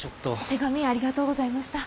手紙ありがとうございました。